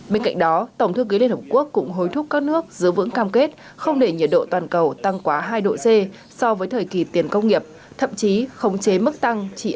bên cạnh đó tổng thư ký liên hợp quốc cũng hối thúc các nước giữ vững cam kết không để nhiệt độ toàn cầu tăng quá hai độ c so với thời kỳ tiền công nghiệp thậm chí khống chế mức tăng